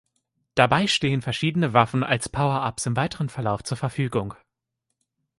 Dabei stehen verschiedene Waffen als Power-ups im weiteren Verlauf zur Verfügung.